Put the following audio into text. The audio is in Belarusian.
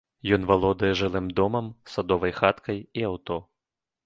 Ён валодае жылым домам, садовай хаткай і аўто.